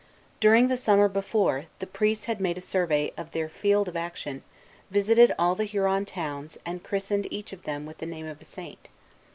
During the summer before, the priests had made a survey of their field of action, visited all the Huron towns, and christened each of them with the name of a saint.